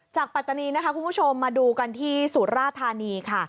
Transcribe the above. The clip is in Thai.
ปัตตานีนะคะคุณผู้ชมมาดูกันที่สุราธานีค่ะ